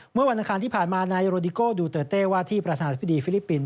เมื่อวันอังคารที่ผ่านมานายโรดิโก้ดูเตอร์เต้ว่าที่ประธานาธิบดีฟิลิปปินส